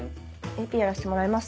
ＡＰやらせてもらいます